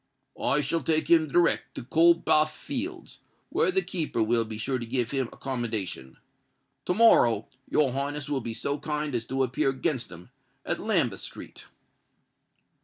I shall take him direct to Coldbath Fields, where the keeper will be sure to give him accommodation. To morrow your Highness will be so kind as to appear against him at Lambeth Street."